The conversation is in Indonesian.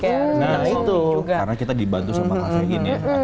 nah itu karena kita dibantu sama kafein ya